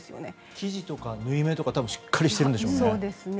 生地とか縫い目がしっかりしているんでしょうね。